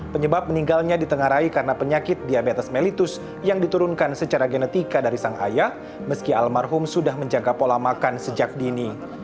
penyebab meninggalnya ditengarai karena penyakit diabetes mellitus yang diturunkan secara genetika dari sang ayah meski almarhum sudah menjaga pola makan sejak dini